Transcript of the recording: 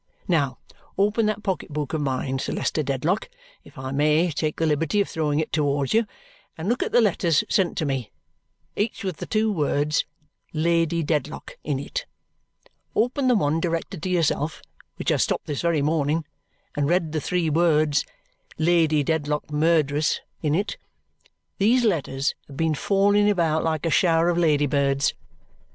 Now, open that pocket book of mine, Sir Leicester Dedlock, if I may take the liberty of throwing it towards you, and look at the letters sent to me, each with the two words 'Lady Dedlock' in it. Open the one directed to yourself, which I stopped this very morning, and read the three words 'Lady Dedlock, Murderess' in it. These letters have been falling about like a shower of lady birds.